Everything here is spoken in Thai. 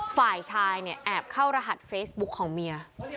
ฝ่ายชายเนี่ยแอบเข้ารหัสเฟซบุ๊คของเมีย